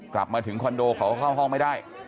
กลับมาถึงคอนโดเขาก็เข้าห้องไม่ได้